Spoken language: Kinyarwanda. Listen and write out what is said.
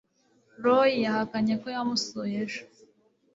roy yahakanye ko yamusuye ejo